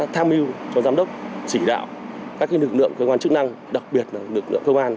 tham mưu cho giám đốc chỉ đạo các lực lượng cơ quan chức năng đặc biệt là lực lượng công an